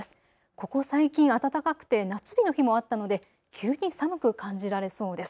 ここ最近、暖かくて夏日の日もあったので急に寒く感じられそうです。